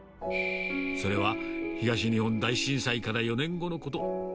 それは、東日本大震災から４年後のこと。